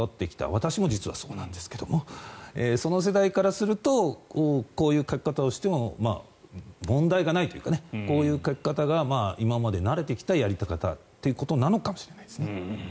私も実はそうなんですけどもその世代からするとこういう書き方をしても問題がないというかこういう書き方が今まで慣れてきたやり方なのかもしれないですね。